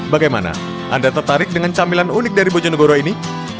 bagaimana anda tertarik dengan camilan unik dari bojonegoro ini